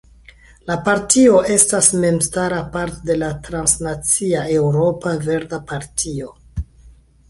La partio estas memstara parto de la transnacia Eŭropa Verda Partio.